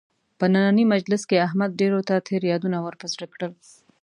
په نننۍ مجلس کې احمد ډېرو ته تېر یادونه ور په زړه کړل.